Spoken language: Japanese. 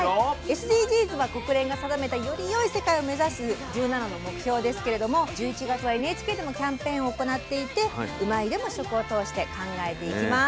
ＳＤＧｓは国連が定めたよりよい世界を目指す１７の目標ですけれども１１月はＮＨＫでもキャンペーンを行っていて「うまいッ！」でも食を通して考えていきます。